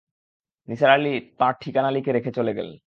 নিসার আলি তাঁর ঠিকানা লিখে রেখে চলে গেলেন।